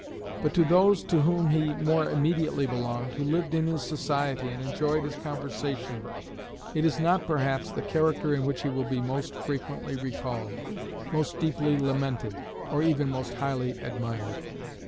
But to those to whom he more immediately belonged, who lived in his society and enjoyed his conversation, it is not, perhaps, the character in which he will be most frequently recalled most deeply lamented or even most highly admired.